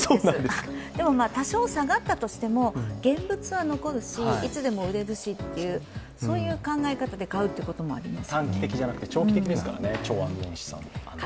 でも多少下がったとしても、現物は残るし、いつでも売れるしというそういう考え方で買うということですね。